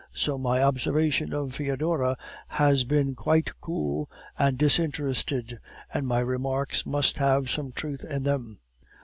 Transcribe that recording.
So my observation of Foedora has been quite cool and disinterested, and my remarks must have some truth in them.